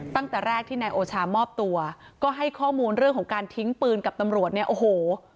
ตั้งแต่แรกที่นายโอชามอบตัวก็ให้ข้อมูลเรื่องของการทิ้งปืนกับตำรวจเนี่ยโอ้โห